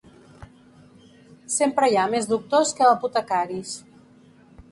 Sempre hi ha més doctors que apotecaris.